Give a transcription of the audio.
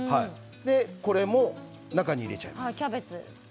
これも中に入れちゃいます。